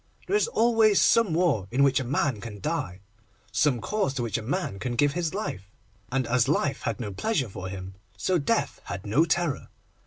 There is always some war in which a man can die, some cause to which a man can give his life, and as life had no pleasure for him, so death had no terror.